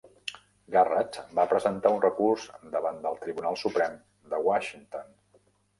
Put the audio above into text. Garratt va presentar un recurs davant del Tribunal Suprem de Washington.